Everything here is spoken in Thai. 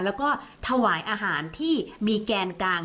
แล้วก็ถวายอาหารที่มีแกนกลาง